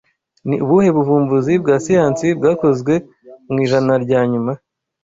Ni ubuhe buvumbuzi bwa siyansi bwakozwe mu ijana ryanyuma